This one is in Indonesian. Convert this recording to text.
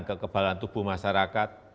kekebalan tubuh masyarakat